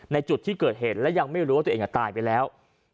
ในจุดที่เกิดเหตุและยังไม่รู้ว่าตัวเองตายไปแล้ว